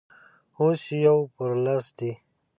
اوس يو پر لس دی.